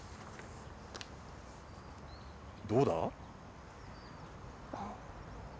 どうだ？